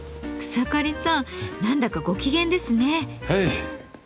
草刈さん何だかご機嫌ですね。